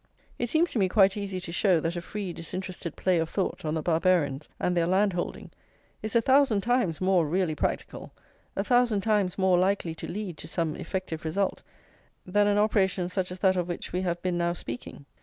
It seems to me quite easy to show that a free disinterested play of thought on the Barbarians and their land holding is a thousand times more really practical, a thousand times more likely to lead to some effective result, than an operation such as that of which we have been now speaking.